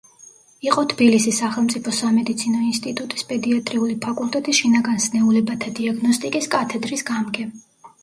იყო თბილისის სახელმწიფო სამედიცინო ინსტიტუტის პედიატრიული ფაკულტეტის შინაგან სნეულებათა დიაგნოსტიკის კათედრის გამგე.